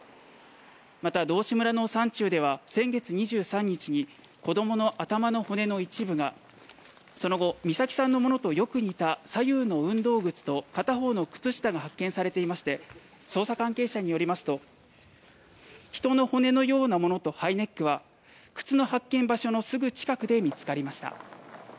また、道志村の山中では先月２３日に子供の頭の骨の一部がその後美咲さんのものとよく似た左右の運動靴と片方の靴下が発見されていまして捜査関係者によりますと人の骨のようなものとハイネックは靴の発見場所のすぐ近くで見つかりました。